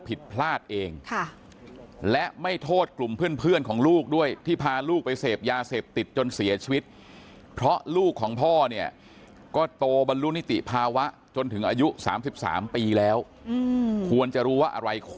สุดท้ายแล้วมันเกิดขึ้นกับลูกชายตัวเองจนได้